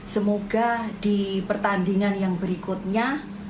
semoga di pertandingan yang berikutnya